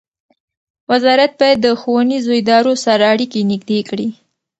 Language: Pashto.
وزارت باید د ښوونیزو ادارو سره اړیکې نږدې کړي.